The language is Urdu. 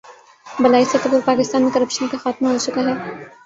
بالائی سطح پر پاکستان میں کرپشن کا خاتمہ ہو چکا ہے